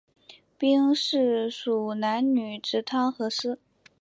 兵事属南女直汤河司。